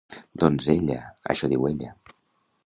Donzella... això diu ella.